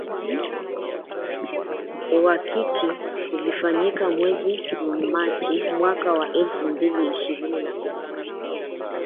Uhakiki ulifanyika mwezi Machi mwaka wa elfu mbili ishirini na mbili.